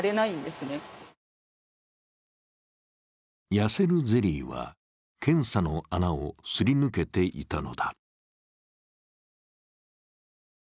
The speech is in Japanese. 痩せるゼリーは検査の穴をすり抜けていたのだ。